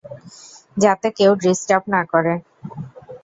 যাতে কেউ ডিস্টার্ব না করে।